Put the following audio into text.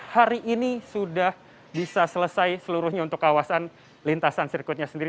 hari ini sudah bisa selesai seluruhnya untuk kawasan lintasan sirkuitnya sendiri